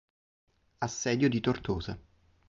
Assedio di Tortosa